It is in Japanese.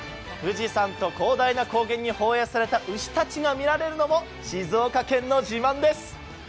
富士山と広大な高原に放原された牛たちが見られるのも静岡県の自慢です。